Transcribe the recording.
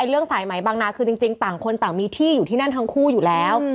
เรื่องสายไหมบางนาคือจริงต่างคนต่างมีที่อยู่ที่นั่นทั้งคู่อยู่แล้ว